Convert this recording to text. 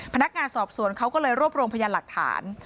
พนักงานสอบสวนเขาก็เลยรวบรวมพยานหลักฐาน